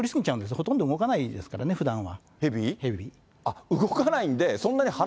ほとんど動かないですからね、ふだんは。